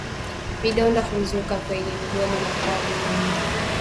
Vidonda huzuka kwenye mdomo na pua ya mnyama